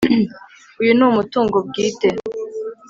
Uyu ni umutungo bwite